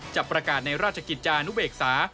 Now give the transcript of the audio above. จะประกาศในราชกิจจานุเบกษา